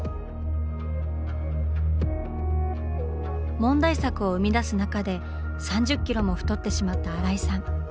問題作を生み出す中で３０キロも太ってしまった新井さん。